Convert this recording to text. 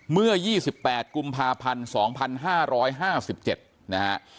เมื่อ๒๘กุมภาพันธ์๒๕๕๗นะฮะ